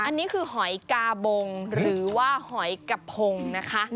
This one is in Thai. อันนี้คือหอยกาบงหรือว่าหอยกระพงนะคะ